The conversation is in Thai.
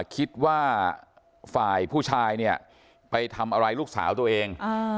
คิดว่าฝ่ายผู้ชายเนี่ยไปทำอะไรลูกสาวตัวเอง